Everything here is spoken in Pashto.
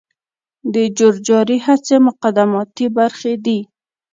د جور جارې هڅې مقدماتي برخي دي.